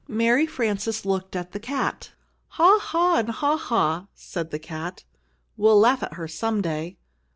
Mary Frances looked at the cat. "Ha, ha, and ha, ha!" said the cat. "We'll laugh at her some day!"